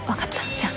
じゃあ。